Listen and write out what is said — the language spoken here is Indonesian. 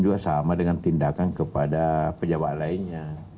juga sama dengan tindakan kepada pejabat lainnya